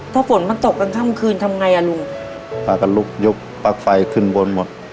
ถ้าฝนมันตกกันข้ามคืนทำไงอ่ะลุงปากกระลุกยบปากไฟขึ้นบนหมด